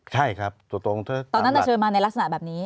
ใช่ครับตัวตรงเท่าตอนนั้นเชิญมาในลักษณะแบบนี้